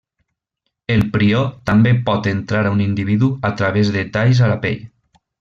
El prió també pot entrar a un individu a través de talls a la pell.